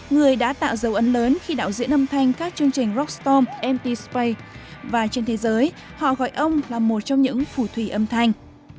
người đã tạo dấu ấn lớn khi đạo diễn âm thanh các chương trình rockstorm mtspay và trên thế giới họ gọi ông là một trong những phủ thủy âm thanh